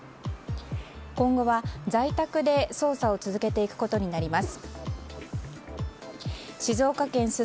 今後は在宅で捜査を続けていくことになります。